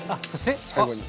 最後に。